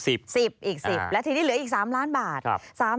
๑๐อีก๑๐และทีนี้เหลืออีก๓ล้านบาท